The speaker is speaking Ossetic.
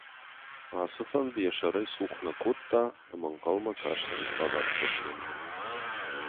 Ацы фӕнд йӕ сӕрӕй цух нӕ кодта ӕмӕ ӕнхъӕлмӕ касти фадат фӕзынынмӕ.